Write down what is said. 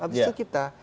habis itu kita